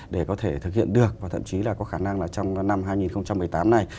để có thể thực hiện được và thậm chí là có khả năng là trong năm hai nghìn một mươi tám này